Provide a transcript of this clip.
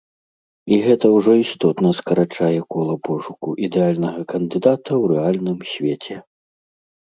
І гэта ўжо істотна скарачае кола пошуку ідэальнага кандыдата ў рэальным свеце.